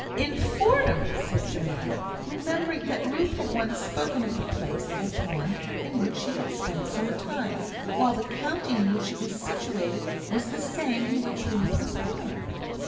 "In Fordham!" said Jemima, remembering that Ruth had once spoken of the place as one in which she had spent some time, while the county in which it was situated was the same in which Ruth was born.